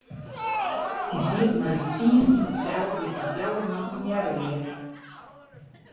Wy sieten mei ús tsienen yn in sel dy't foar fjouwer man ornearre wie.